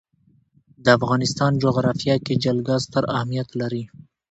د افغانستان جغرافیه کې جلګه ستر اهمیت لري.